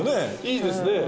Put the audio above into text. いいですね。